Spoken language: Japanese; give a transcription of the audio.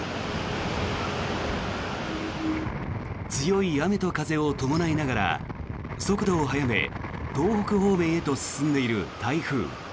強い雨と風を伴いながら速度を速め東北方面へと進んでいる台風。